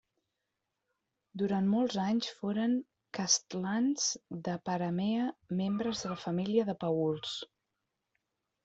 Durant molts anys foren castlans de Peramea membres de la família de Paüls.